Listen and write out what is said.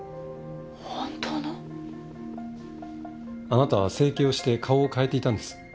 あなたは整形をして顔を変えていたんです。